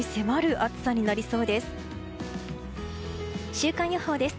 週間予報です。